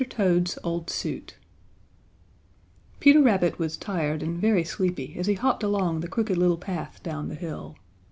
TOAD'S OLD SUIT Peter Rabbit was tired and very sleepy as he hopped along the Crooked Little Path down the hill.